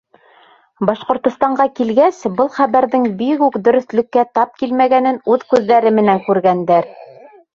Башҡортостанға килгәс, был хәбәрҙең бигүк дөрөҫлөккә тап килмәгәнен үҙ күҙҙәре менән күргәндәр.